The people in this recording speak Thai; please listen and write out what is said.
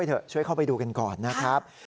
เถอะช่วยเข้าไปดูกันก่อนนะครับ